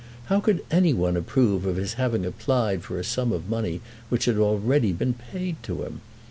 How could any one approve of his having applied for a sum of money which had already been paid to him?